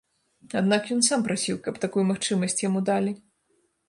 Аднак ён сам прасіў, каб такую магчымасць яму далі.